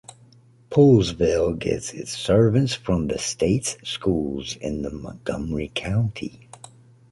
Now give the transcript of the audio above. Poolesville gets its servants from the States Schools in the Montgomery County.